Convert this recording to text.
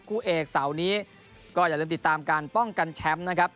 คู่เอกเสาร์นี้ก็อย่าลืมติดตามการป้องกันแชมป์นะครับ